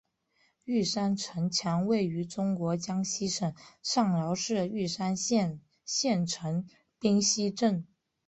玉山城墙位于中国江西省上饶市玉山县县城冰溪镇。